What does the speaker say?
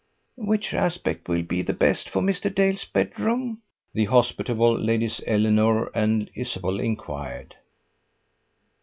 "Which aspect will be the best for Mr. Dale's bedroom?" the hospitable ladies Eleanor and Isabel inquired.